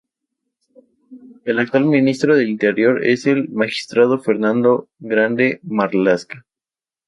El actual ministro del Interior es el magistrado Fernando Grande-Marlaska.